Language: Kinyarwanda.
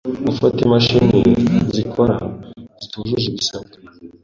gufata imashini zikora zitujuje ibisabwa.